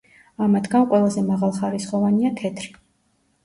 ამათგან ყველაზე მაღალხარისხოვანია თეთრი.